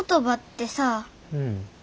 うん。